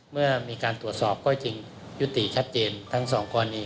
เมื่อมีการตรวจสอบก็จริงยุติชัดเจนทั้งสองกรณี